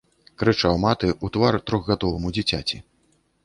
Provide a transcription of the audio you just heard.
Крычаў маты ў твар трохгадоваму дзіцяці.